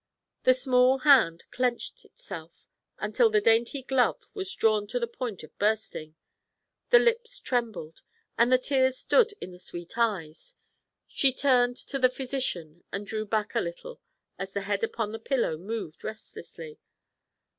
The small hand clenched itself until the dainty glove was drawn to the point of bursting; the lips trembled, and the tears stood in the sweet eyes. She turned to the physician, and drew back a little as the head upon the pillow moved restlessly.